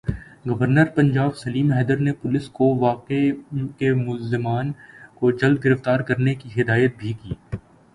governor Punjab Salim Haider نے police کو واقعے کے ملزمان کو جلد گرفتار کرنے کی ہدایت بھی کی